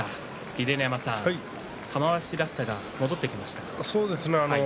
秀ノ山さん、玉鷲らしさが戻ってきましたね。